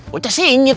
wajah sini yuk